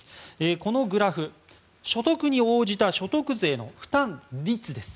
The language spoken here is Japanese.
このグラフ、所得に応じた所得税の負担率です。